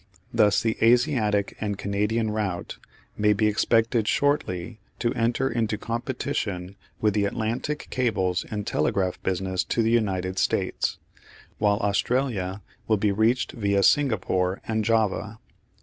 Thus the Asiatic and Canadian route may be expected shortly to enter into competition with the Atlantic cables in telegraphic business to the United States; while Australia will be reached viâ Singapore and Java.